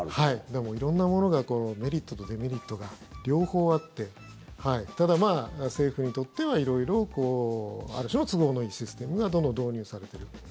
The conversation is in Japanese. でも色んなものがメリットとデメリットが両方あってただ、政府にとっては色々ある種の都合のいいシステムがどんどん導入されている。